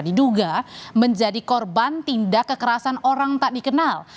diduga menjadi korban tindak kekerasan orang tak dikenal